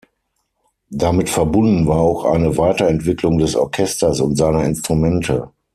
Damit verbunden war auch eine Weiterentwicklung des Orchesters und seiner Instrumente.